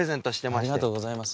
ありがとうございます。